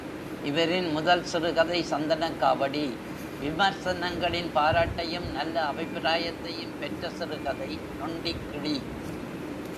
இவரின் முதல் சிறுகதை சந்தனக்காவடி. விமர்சனங்களின் பாராட்டையும் நல்ல அபிப்பிராயத்தையும் பெற்ற சிறுகதை நொண்டிக்கிளி.